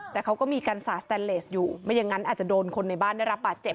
แต่เขาก็มีการสาดสแตนเลสอยู่ไม่อย่างนั้นอาจจะโดนคนในบ้านได้รับบาดเจ็บ